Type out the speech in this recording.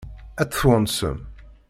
Ad tt-twansem?